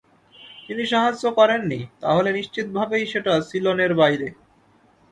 তিনি সাহায্য করেননি, তাহলে নিশ্চিতভাবেই সেটা সিলনের বাইরে।